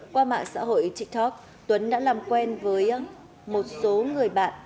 qua mạng xã hội tiktok tuấn đã làm quen với một số người bạn